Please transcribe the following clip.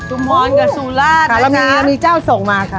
ชุมพรกับสูราชค่ะแล้วมีแล้วมีเจ้าส่งมาค่ะ